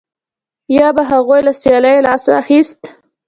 یا به هغوی له سیالۍ لاس اخیست